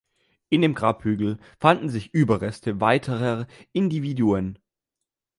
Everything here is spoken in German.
In dem Grabhügel fanden sich Überreste weiterer Individuen.